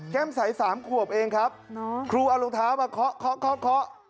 แก้มใสสามขวบเองครับครูเอารองเท้ามาเคาะ